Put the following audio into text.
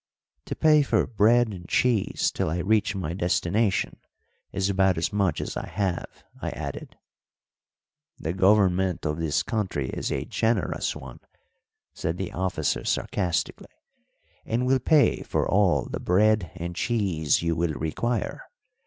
"To pay for bread and cheese till I reach my destination is about as much as I have," I added. "The government of this country is a generous one," said the officer sarcastically, "and will pay for all the bread and cheese you will require.